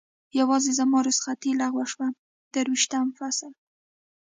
یوازې زما رخصتي لغوه شوه، درویشتم فصل.